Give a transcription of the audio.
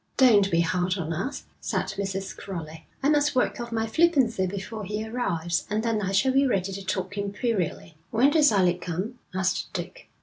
'Don't be hard on us,' said Mrs. Crowley. 'I must work off my flippancy before he arrives, and then I shall be ready to talk imperially.' 'When does Alec come?' asked Dick.